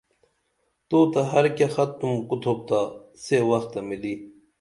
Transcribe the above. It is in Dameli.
تو تہ ہر کیہ ختم کُتُھوپ تا سے وختہ ملی